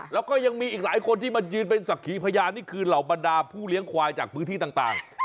แล้วก็ยังมีอีกหลายคนที่มายืนเป็นสักขีพยานนี่คือเหล่าบรรดาผู้เลี้ยงควายจากพื้นที่ต่าง